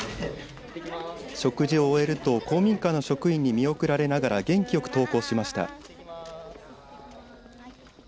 食事を終えると公民館の職員に見送られながら元気よく登校しました。